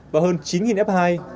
và hơn chín f hai